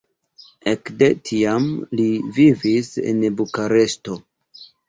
Ekde tiam li vivis en Bukareŝto.